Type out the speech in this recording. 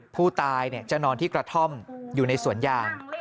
ผู้ตายจะนอนที่กระท่อมอยู่ในสวนยาง